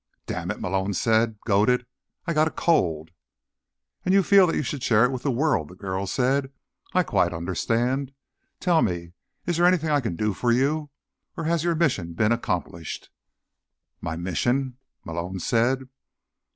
"Damn it," Malone said, goaded, "I've got a cold." "And you feel you should share it with the world," the girl said. "I quite understand. Tell me, is there anything I can do for you? Or has your mission been accomplished?" "My mission?" Malone said.